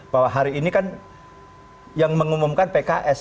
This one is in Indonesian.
bahwa hari ini kan yang mengumumkan pks